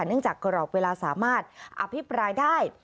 เนื่องจากกรอกเวลาสามารถอภิปรายได้